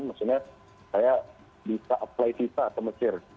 maksudnya saya bisa apply fifa ke mesir